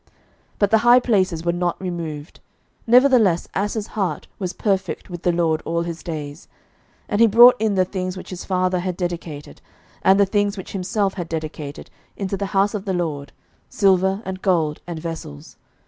11:015:014 But the high places were not removed: nevertheless Asa's heart was perfect with the LORD all his days. 11:015:015 And he brought in the things which his father had dedicated, and the things which himself had dedicated, into the house of the LORD, silver, and gold, and vessels.